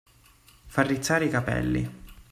Far rizzare i capelli.